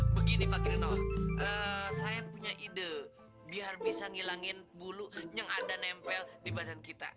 begini pak kirino saya punya ide biar bisa ngilangin bulu yang ada nempel di badan kita